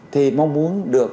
thì mong muốn được